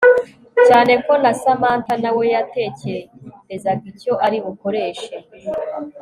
cyane ko na Samantha nawe yatekerezaga icyo ari bukoreshe